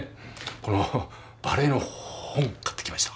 このバレエの本買ってきました。